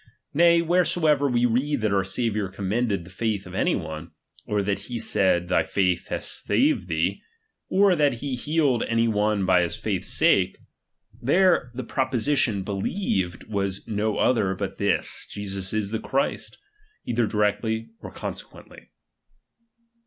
Nay, wheresoever we read that our Saviour commended the faith of any one, or that he said, thy faith hath saved thee, or that he healed any one for his faith's sake ; there the proposition believed was no other but this, Jesus is the Christ, either directly or conse quently.